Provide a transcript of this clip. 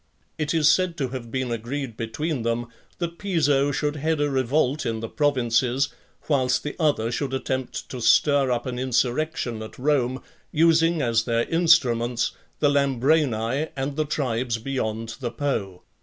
It is said to have been agreed between them, that Piso should head a revolt in the provinces, whilst the other should attempt to stir up an insurrection at Rome, using as their instruments the Lambrani, and the tribes beyond the Po.